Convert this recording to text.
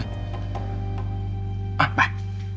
อ่ะไป